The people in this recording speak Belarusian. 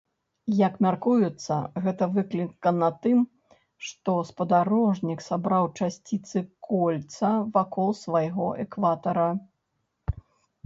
Як мяркуецца, гэта выклікана тым, што спадарожнік сабраў часціцы кольца вакол свайго экватара.